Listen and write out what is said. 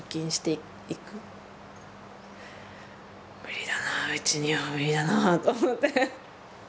無理だなあうちには無理だなあと思って。